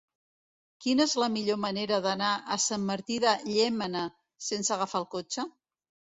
Quina és la millor manera d'anar a Sant Martí de Llémena sense agafar el cotxe?